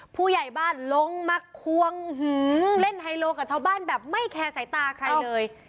ผู้ใหญ่บ้านลงมาควงเล่นไฮโลกับชาวบ้านแบบไม่แคร์สายตาใครเลย